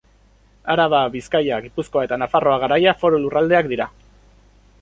Araba, Bizkaia, Gipuzkoa eta Nafarroa Garaia foru lurraldeak dira.